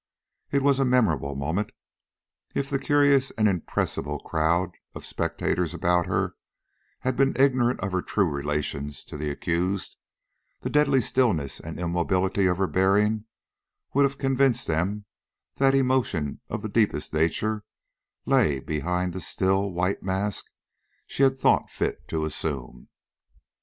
It was a memorable moment. If the curious and impressible crowd of spectators about her had been ignorant of her true relations to the accused, the deadly stillness and immobility of her bearing would have convinced them that emotion of the deepest nature lay behind the still, white mask she had thought fit to assume.